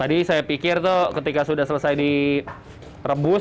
tadi saya pikir tuh ketika sudah selesai direbus